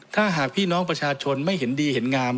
ถ้าหากพี่น้องประชาชนไม่เห็นดีเห็นงาม